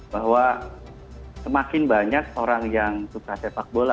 bahwa semakin banyak orang yang suka sepak bola